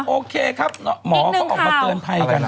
โอเคครับหมอก็ออกมาเตือนภัยกัน